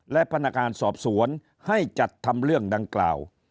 และพนักงานสอบสวนให้จัดทำเรื่องดังกล่าว